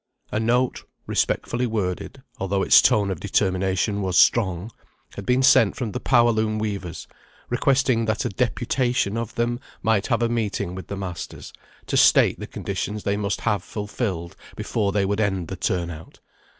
A note, respectfully worded, although its tone of determination was strong, had been sent from the power loom weavers, requesting that a "deputation" of them might have a meeting with the masters, to state the conditions they must have fulfilled before they would end the turn out.